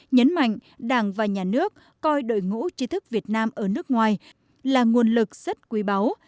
nhấn mạnh đảng và nhà nước coi đội ngũ trí thức việt nam ở nước ngoài là nguồn lực rất quý báu